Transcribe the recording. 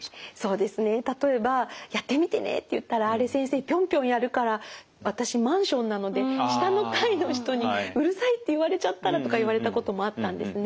そうですね例えばやってみてねって言ったらあれ先生ぴょんぴょんやるから私マンションなので下の階の人にうるさいって言われちゃったらとか言われたこともあったんですね。